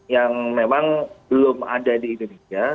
yang memang belum ada di indonesia